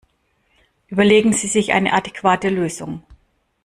Überlegen Sie sich eine adäquate Lösung!